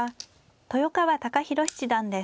豊川孝弘七段です。